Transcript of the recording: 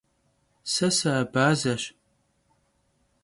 Se sıabazeş.